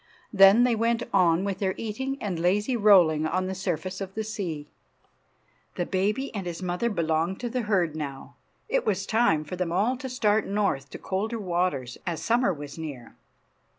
Then they went on with their eating and lazy rolling on the surface of the sea. The baby and his mother belonged to the herd now. It was time for them all to start north to colder waters, as summer was near.